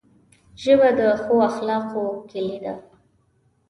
ژبه د ښو اخلاقو کلۍ ده